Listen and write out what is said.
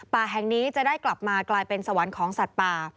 ป่าแห่งนี้จะได้กลับมากลายเป็นสวรรค์ของสัตว์ป่า